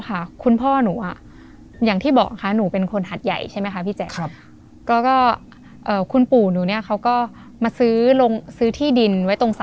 ทั้งหมดยังไม่ค่อยมีหมู่บ้านยังไม่เจริญเหมือนทุกวันนี้